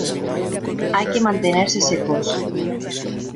hay que mantenerse secos ;